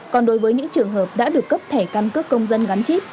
còn đối với những trường hợp đã được cấp thẻ căn cước công dân gắn chip